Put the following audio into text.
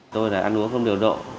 tôi là ăn uống không điều độ